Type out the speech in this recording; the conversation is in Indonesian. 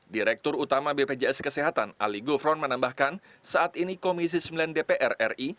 direktur utama bpjs kesehatan ali gufron menambahkan saat ini komisi sembilan dpr ri